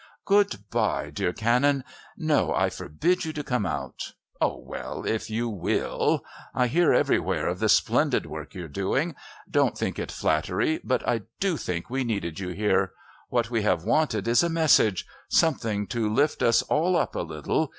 "Good bye, dear Canon. No, I forbid you to come out. Oh, well, if you will. I hear everywhere of the splendid work you're doing. Don't think it flattery, but I do think we needed you here. What we have wanted is a message something to lift us all up a little.